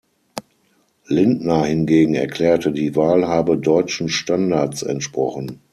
Lintner hingegen erklärte, die Wahl habe „deutschen Standards entsprochen“.